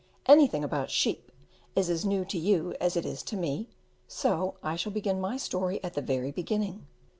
Anything about sheep is as new to you as it is to me, so I shall begin my story at the very beginning.